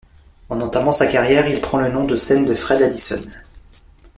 En entamant sa carrière, il prend le nom de scène de Fred Adison.